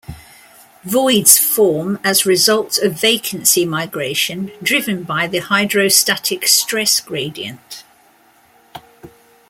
Voids form as result of vacancy migration driven by the hydrostatic stress gradient.